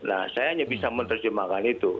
nah saya hanya bisa menerjemahkan itu